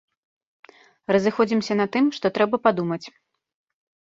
Разыходзімся на тым, што трэба падумаць.